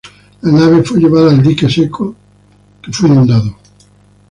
La nave fue llevada al dique seco que fue inundado.